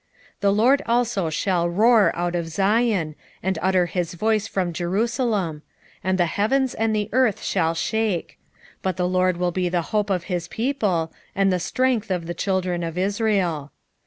3:16 The LORD also shall roar out of Zion, and utter his voice from Jerusalem; and the heavens and the earth shall shake: but the LORD will be the hope of his people, and the strength of the children of Israel.